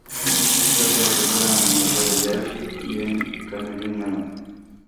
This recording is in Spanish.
Fue profesora en la Universidad de Yale y en la Carnegie Mellon.